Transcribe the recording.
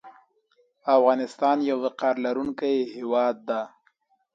افغانستان یو وقار لرونکی هیواد ده